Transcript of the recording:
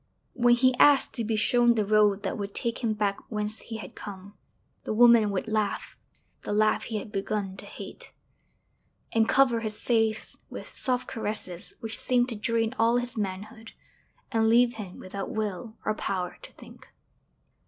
When he asked to be shown the road that would take him back whence he had come, the woman would laugh the laugh he had begun to hate, and cover his face with soft caresses which seemed to drain all his manhood and leave him without will or power to think.